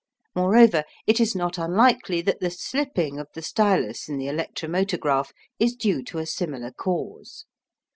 Moreover, it is not unlikely that the slipping of the stylus in the electromotograph is due to a similar cause.